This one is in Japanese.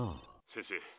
先生。